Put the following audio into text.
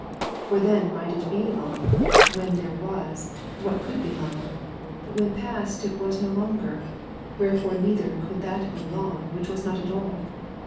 For then might it be long, when there was, what could be long; but when past, it was no longer; wherefore neither could that be long, which was not at all.